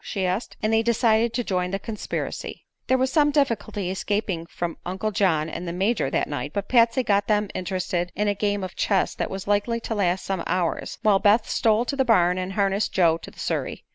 she asked. And they decided to join the conspiracy. There was some difficulty escaping from Uncle John and the Major that night, but Patsy got them interested in a game of chess that was likely to last some hours, while Beth stole to the barn and harnessed Joe to the surrey.